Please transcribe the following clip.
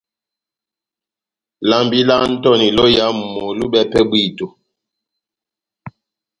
Lambi lá Antoni lóyamu lohibɛwɛ pɛhɛ bwíto.